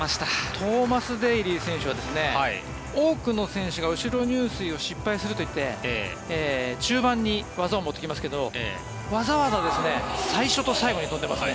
トーマス・デーリー選手は多くの選手が後ろ入水を失敗するといって中盤に技を持ってきますけどわざわざ最初と最後に飛んでますね。